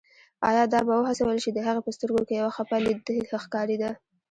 ایا دا به وهڅول شي، د هغې په سترګو کې یو خپه لید ښکارېده.